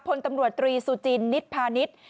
พลตำรวจตรีซูจินนิตพานิต